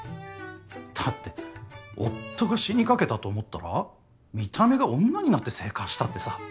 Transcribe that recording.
だって夫が死にかけたと思ったら見た目が女になって生還したってさ